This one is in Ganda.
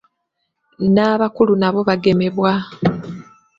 N'abakulu nabo bagemebwa.